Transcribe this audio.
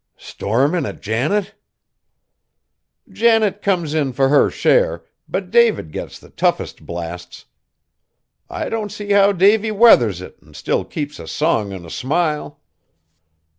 "Stormin' at Janet?" "Janet comes in fur her share, but David gets the toughest blasts. I don't see how Davy weathers it, an' still keeps a song an' a smile."